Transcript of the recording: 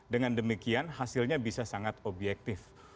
dengan demikian hasilnya bisa sangat objektif